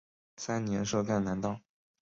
三年设赣南道。